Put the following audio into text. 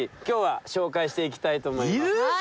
今日は紹介していきたいと思います